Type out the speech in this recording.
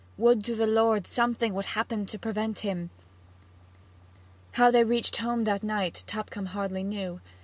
Would to the Lord something would happen to prevent him!' How they reached home that night Tupcombe hardly knew.